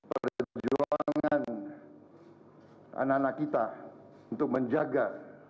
perjuangan anak anak kita untuk menjaga